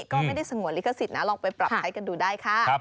ก็ไม่ได้สงวนลิขสิทธินะลองไปปรับใช้กันดูได้ค่ะ